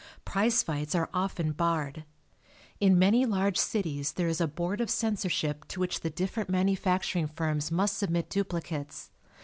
Prize fights are often barred. In many large cities there is a board of censorship to which the different manufacturing firms must submit duplicates.